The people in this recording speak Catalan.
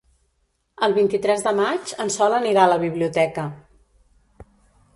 El vint-i-tres de maig en Sol anirà a la biblioteca.